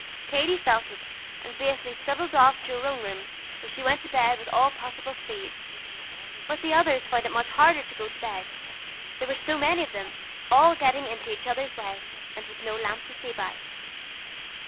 Katie felt it, and basely scuttled off to her own room, where she went to bed with all possible speed. But the others found it much harder to go to bed; there were so many of them, all getting into each other's way, and with no lamp to see by.